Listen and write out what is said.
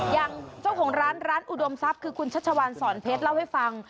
อย่างเจ้าของร้านร้านอุดมทรัพย์คือคุณชัชวานสอนเพชรเล่าให้ฟัง